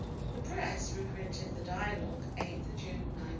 The Press reprinted the Dialogue 8th June, 1912.